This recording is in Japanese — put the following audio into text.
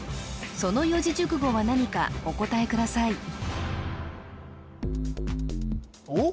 その四字熟語は何かお答えくださいおっ？